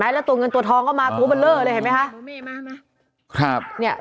แล้วตัวเงินตัวทองก็มาตัวเบอร์เลอร์เลยเห็นไหมคะ